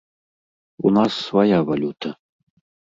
У нас свая валюта.